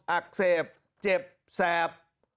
อักเสบเจ็บแสบ